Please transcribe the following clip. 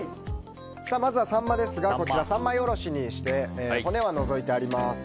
まずはサンマですが三枚下ろしにして骨は除いてあります。